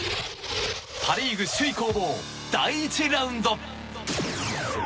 パ・リーグ首位攻防第１ラウンド。